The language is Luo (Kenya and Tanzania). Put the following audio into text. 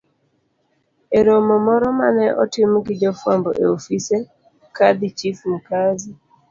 E romo moro ma ne otim gi jofwambo e ofise, Kadhi Chief Mkazi,